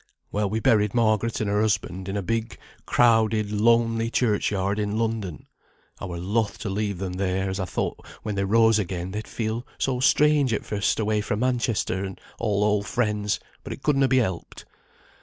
Well, we buried Margaret and her husband in a big, crowded, lonely churchyard in London. I were loath to leave them there, as I thought, when they rose again, they'd feel so strange at first away fra Manchester, and all old friends; but it couldna be helped.